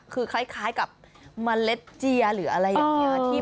คือคล้ายกับเมล็ดเจียหรืออะไรอย่างนี้